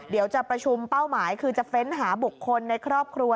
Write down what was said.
เดี๋ยวจะประชุมเป้าหมายคือจะเฟ้นหาบุคคลในครอบครัว